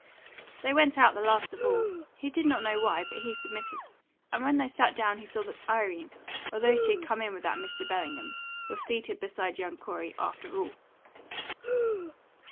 They went out the last of all; he did not know why, but he submitted, and when they sat down he saw that Irene, although she had come in with that Mr. Bellingham, was seated beside young Corey, after all.